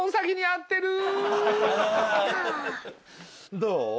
どう？